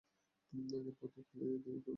আগের পথেই খেলে দিবো নাকি?